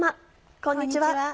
こんにちは。